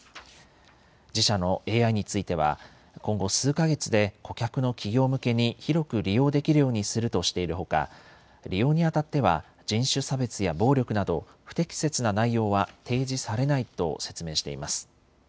自社のＡＩについては今後数か月で顧客の企業向けに広く利用できるようにするとしているほか、利用にあたっては人種差別や暴力など不適切な内容は提示されないと説明しています。